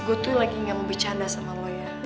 gue tuh lagi gak mau bercanda sama lo ya